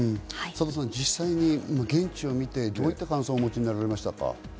実際に現地を見てどういった感想をお持ちになりましたか？